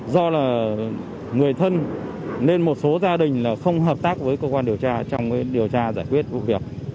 do là người thân nên một số gia đình không hợp tác với cơ quan điều tra trong điều tra giải quyết vụ việc